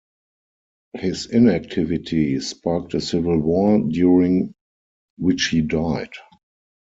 His inactivity sparked a civil war, during which he died.